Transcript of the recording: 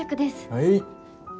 はい。